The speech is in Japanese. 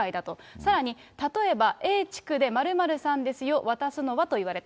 さらに、例えばＡ地区で〇〇さんですよ、渡すのはと言われた。